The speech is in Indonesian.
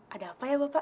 ada apa ya bapak